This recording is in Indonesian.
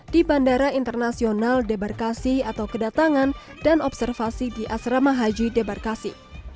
di bandara internasional debarkasi atau kedatangan dan observasi di asrama haji debarkasi